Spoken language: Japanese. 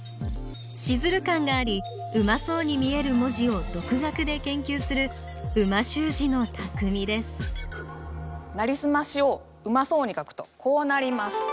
シズル感がありうまそうに見える文字を独学で研究する美味しゅう字のたくみです「なりすまし」をうまそうに書くとこうなります。